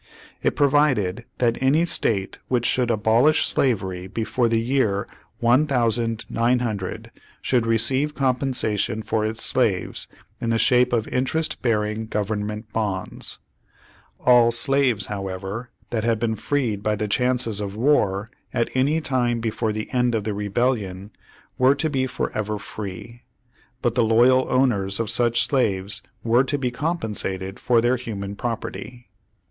It provided that any state which should abolish slavery before the year one thousand nine hundred, should receive com pensation for its slaves in the shape of interest bearing Government bonds. All slaves, however, that had been freed by the chances of war, at any time before the end of the Rebellion, were to be forever free, but the loyal owners of such slaves Page One Hundred fourteen Page One Hundred fifteen were to be compensated for their human property.